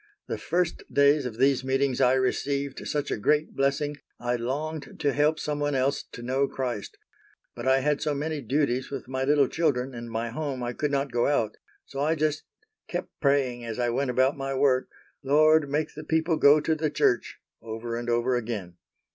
The first days of these meetings I received such a great blessing I longed to help some one else to know Christ, but I had so many duties with my little children and my home I could not go out, so I just kept praying as I went about my work, 'Lord, make the people go to the Church,' over and over again.